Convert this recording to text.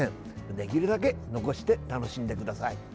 できるだけ残して楽しんでください。